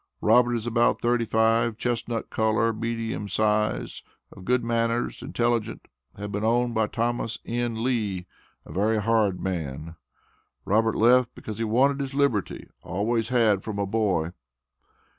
Robert is about thirty five, chestnut color, medium size, of good manners, intelligent, had been owned by Thomas N. Lee, "a very hard man." Robert left because he "wanted his liberty always had from a boy."